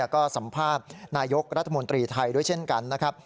ก็สัมภาษณ์นายกรัฐมนตรีไทยด้วยเช่นกันนะครับ